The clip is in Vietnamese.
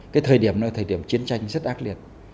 cái thời điểm đó là thời điểm chiến tranh rất ác liệt